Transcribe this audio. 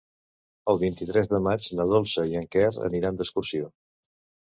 El vint-i-tres de maig na Dolça i en Quer aniran d'excursió.